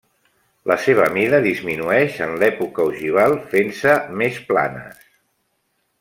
La seva mida disminueix en l'època ogival, fent-se més planes.